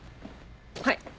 はい。